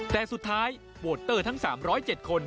แต่สุดท้ายโวเตอร์ทั้ง๓๐๗คน